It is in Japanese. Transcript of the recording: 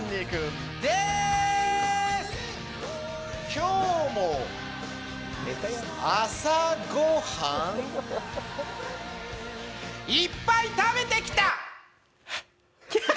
今日も朝ご飯いっぱい食べてきた！